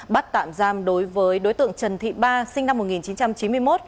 bắt tạm giam đối với đối tượng trần thị ba sinh năm một nghìn chín trăm chín mươi một